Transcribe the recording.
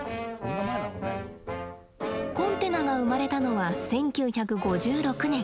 コンテナが生まれたのは１９５６年。